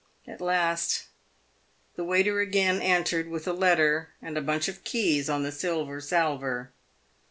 At last, the waiter again entered, with a letter and bunch of keys on the silver salver.